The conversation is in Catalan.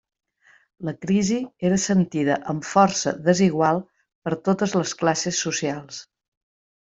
La crisi era sentida amb força desigual per totes les classes socials.